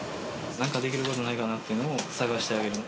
なんかできることないかなっていうのを探してあげる。